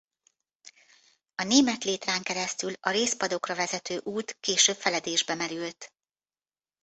A Német-létrán keresztül a Réz-padokra vezető út később feledésbe merült.